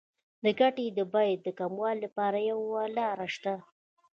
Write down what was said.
د ګټې د بیې د کموالي لپاره یوه لار شته